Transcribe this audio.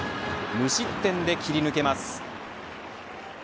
無失点で切り抜けます。